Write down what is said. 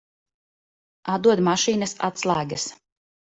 Atdod mašīnas atslēgas.